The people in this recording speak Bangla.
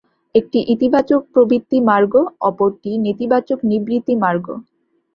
একটি ইতিবাচক প্রবৃত্তিমার্গ, অপরটি নেতিবাচক নিবৃত্তিমার্গ।